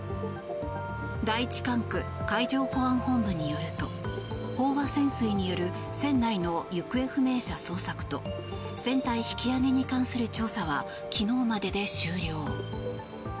第一管区海上保安本部によると飽和潜水による船内の行方不明者捜索と船体引き揚げに関する調査は昨日までで終了。